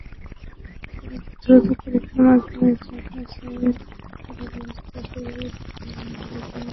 তারা দ্রুত পরীক্ষার মাধ্যমে জাত বাছাই করার ব্যবস্থা করবেন বলে জানিয়েছে।